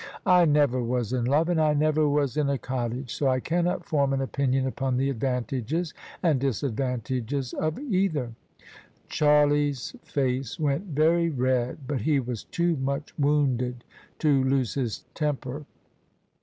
" I never was in love and I never was in a cottage: so I cannot form an opinion upon the advantages and disad vantages of either." Charlie's face went very red, but he was too much wounded to lose his temper.